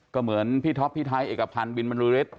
ก็เหมือนพี่ท็อปพี่ไทยเอกพันธ์บินบรรลือฤทธิ